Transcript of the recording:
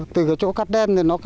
từ chỗ cắt đen